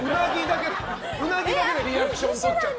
うなぎだけでリアクションとっちゃって。